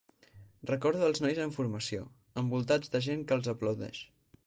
Recordo els nois en formació, envoltats de gent que els aplaudeix.